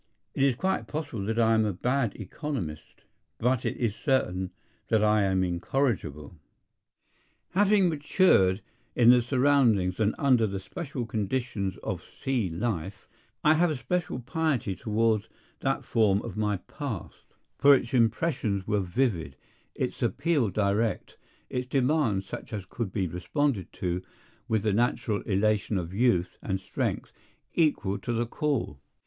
It is quite possible that I am a bad economist; but it is certain that I am incorrigible. Having matured in the surroundings and under the special conditions of sea life, I have a special piety toward that form of my past; for its impressions were vivid, its appeal direct, its demands such as could be responded to with the natural elation of youth and strength equal to the call.